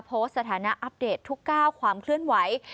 สถานะอัปเดตทุกก้าวความเคลื่อนไหว